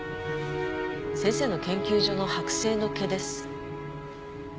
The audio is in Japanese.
先生の研究所の剥製の毛です。